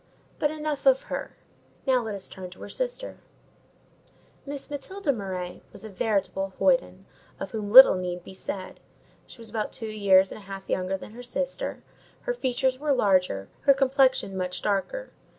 But enough of her: now let us turn to her sister. Miss Matilda Murray was a veritable hoyden, of whom little need be said. She was about two years and a half younger than her sister; her features were larger, her complexion much darker.